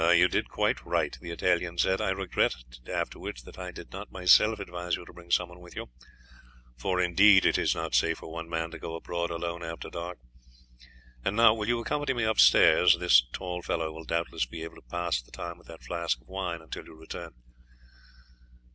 "You did quite right," the Italian said; "I regretted afterwards that I did not myself advise you to bring some one with you, for indeed it is not safe for one man to go abroad alone after dark. And now, will you accompany me upstairs; this tall fellow will doubtless be able to pass the time with that flask of wine until you return."